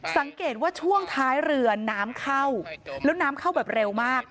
สังเกตว่าช่วงท้ายเรือน้ำเข้าแล้วน้ำเข้าแบบเร็วมาก